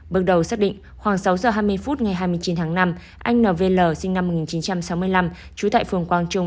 bước đầu xác định khoảng sáu giờ hai mươi phút ngày hai mươi chín tháng năm anh nv sinh năm một nghìn chín trăm sáu mươi năm trú tại phường quang trung